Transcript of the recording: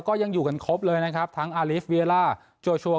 ก็ยังอยู่กันครบเลยนะครับทั้งอาลิฟเวียล่าจัวชัวร์